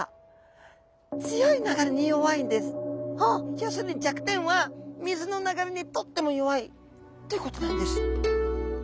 要するに弱点は水の流れにとっても弱いということなんです。